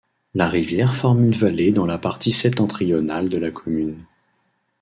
La rivière forme une vallée dans la partie septentrionale de la commune.